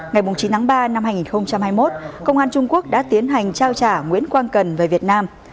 ngày chín tháng ba năm hai nghìn hai mươi một công an trung quốc đã tiến hành trao trả nguyễn quang cần về việt nam